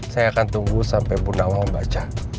saya akan tunggu sampai bu nawang baca